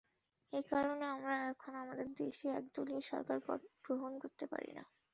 এ কারণে আমরা এখন আমাদের দেশে একদলীয় সরকার গ্রহণ করতে পারি না।